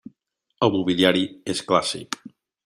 El mobiliari és clàssic.